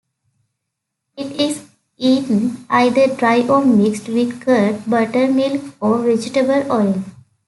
It is eaten either dry or mixed with curd, buttermilk or vegetable oil.